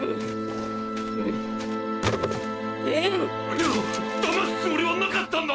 いやだますつもりはなかったんだ！